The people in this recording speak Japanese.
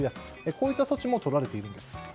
こういった措置もとられているんです。